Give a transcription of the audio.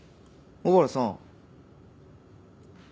小原さん？